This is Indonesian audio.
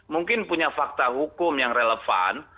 mungkin punya fakta hukum yang relevan